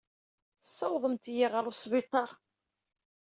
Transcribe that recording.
Tessawḍemt-iyi ɣer wesbiṭar.